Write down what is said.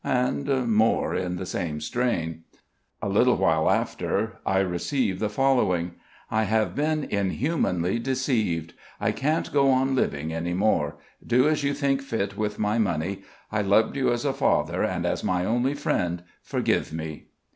and more in the same strain. A little while after I received the following: "I have been inhumanly deceived. I can't go on living any more. Do as you think fit with my money. I loved you as a father and as my only friend. Forgive me."